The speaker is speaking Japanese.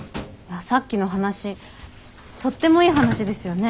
さっきの話とってもいい話ですよね？